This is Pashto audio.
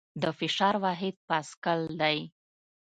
د فشار واحد پاسکل دی.